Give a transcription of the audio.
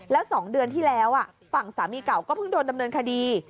แล้ว๒เดือนที่แล้วฝั่งสามีเก่าก็เพิ่งโดนดำเนินคดี